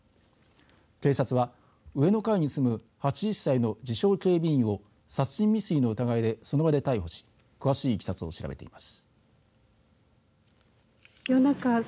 警察は、上の階に住む８０歳の自称警備員を殺人未遂の疑いでその場で逮捕し詳しいいきさつを調べています。